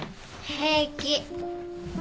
平気。